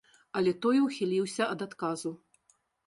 Але той ухіліўся ад адказу.